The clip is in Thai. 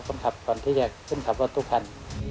คนขับก่อนที่จะขึ้นขับรถทุกคัน